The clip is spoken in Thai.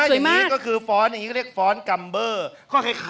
ซวยมาก